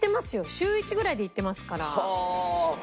週１ぐらいで行ってますから。